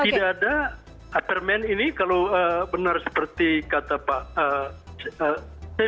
tidak ada attermen ini kalau benar seperti kata pak